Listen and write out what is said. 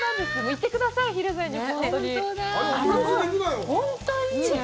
行ってください、蒜山に。